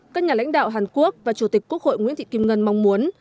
các nhà lãnh đạo hàn quốc và chủ tịch quốc hội nguyễn thị kim ngân mong muốn